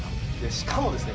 しかもですね